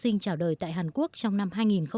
sinh trả đời tại hàn quốc trong năm hai nghìn một mươi bảy